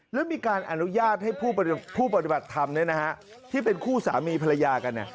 แล้วมีการอนุญาตให้ผู้ปฏิบัติธรรมที่เป็นคู่สามีภรรยากัน